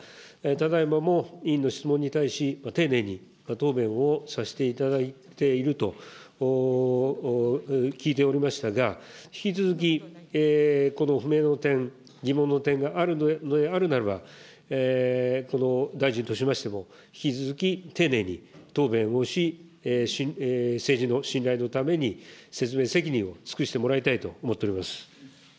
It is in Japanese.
ただいまも委員の質問に対し、丁寧に答弁をさせていただいていると聞いておりましたが、引き続きこの不明の点、疑問の点があるのであるならば、この大臣としましても、引き続き丁寧に答弁をし、政治の信頼のために、説明責任を尽くしてもらいたいと思っております。